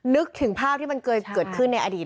นึกถึงภาพที่มันเคยเกิดขึ้นในอดีต